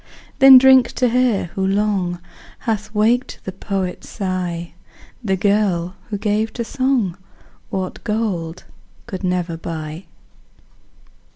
Then drink to her, who long Hath waked the poet's sigh, The girl, who gave to song What gold could never buy.